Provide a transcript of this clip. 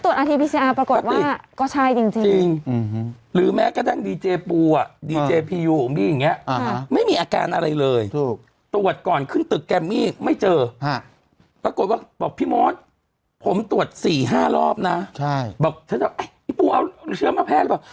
ใช่บอกฉันจะเอ้ยพี่ปูเอาเชื้อมาแพทย์หรือเปล่า